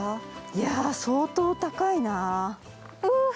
いや相当高いな。